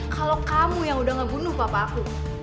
kalau kamu yang udah gak bunuh papa aku